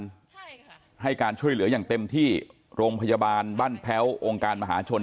ใช่ค่ะให้การช่วยเหลืออย่างเต็มที่โรงพยาบาลบ้านแพ้วองค์การมหาชน